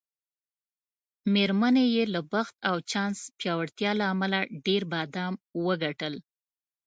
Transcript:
میرمنې یې له بخت او چانس پیاوړتیا له امله ډېر بادام وګټل.